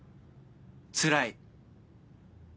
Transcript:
つらい。